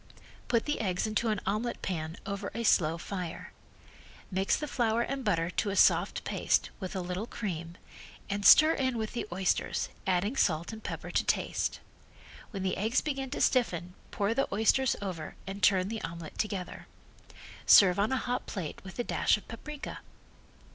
Put the eggs into an omelet pan over a slow fire. Mix the flour and butter to a soft paste with a little cream, and stir in with the oysters, adding salt and pepper to taste. When the eggs begin to stiffen pour the oysters over and turn the omelet together. Serve on hot plate with a dash of paprika.